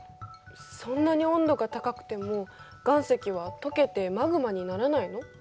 そんなに温度が高くても岩石はとけてマグマにならないの？